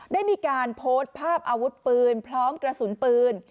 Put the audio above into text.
ได้มีการโพสต์ภาพอาวุธปืนพร้อมกระสุนปืน